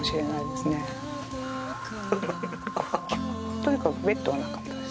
とにかくベッドはなかったです。